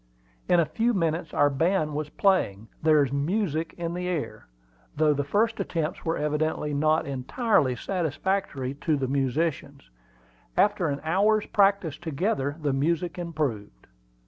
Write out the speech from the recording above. In a few minutes our band was playing "There's music in the air," though the first attempts were evidently not entirely satisfactory to the musicians. After an hour's practice together the music improved.